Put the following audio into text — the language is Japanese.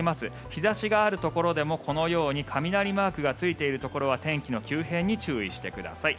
日差しがあるところでもこのように雷マークがついているところは天気の急変に注意してください。